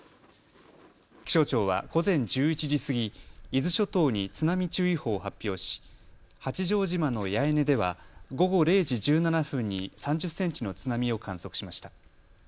気象庁は午前１１時過ぎ、伊豆諸島に津波注意報を発表し八丈島の八重根では午後０時１７分に３０センチの津波を観測しました。